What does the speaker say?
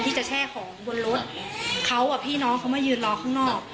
จะแช่ของบนรถเขากับพี่น้องเขามายืนรอข้างนอก